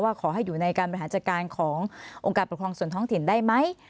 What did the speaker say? ขอให้อยู่ในการบริหารจัดการขององค์การปกครองส่วนท้องถิ่นได้ไหม